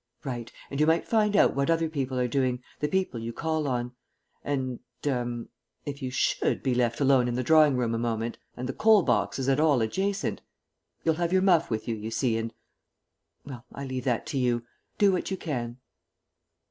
"Right. And you might find out what other people are doing, the people you call on. And er if you should be left alone in the drawing room a moment ... and the coal box is at all adjacent.... You'll have your muff with you, you see, and Well, I leave that to you. Do what you can."